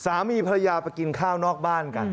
สามีภรรยาไปกินข้าวนอกบ้านกัน